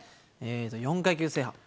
４階級制覇。